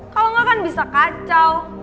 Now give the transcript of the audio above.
kalau enggak kan bisa kacau